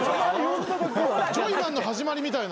ジョイマンの始まりみたいな。